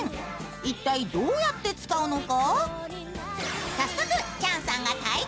一体どうやって使うのか？